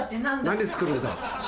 何作るんだ